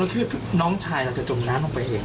เพราะ